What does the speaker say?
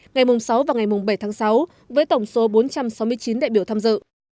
ngày sáu và ngày mùng bảy tháng sáu với tổng số bốn trăm sáu mươi chín đại biểu tham dự